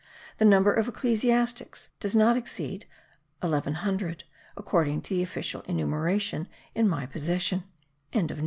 The number of ecclesiastics does not exceed 1100, according to the official enumeration in my possession.)